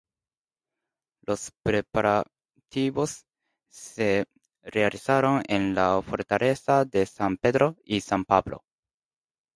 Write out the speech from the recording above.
Los preparativos se realizaron en la fortaleza de San Pedro y San Pablo.